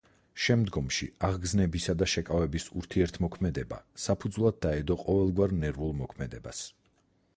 შემდგომში აღგზნებისა და შეკავების ურთიერთმოქმედება საფუძვლად დაედო ყოველგვარ ნერვულ მოქმედებას.